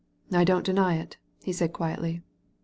"I don't deny it," he said quietly.